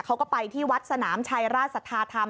เขาก็ไปที่วัดสนามชัยราชสัทธาธรรม